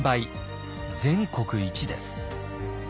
全国一です。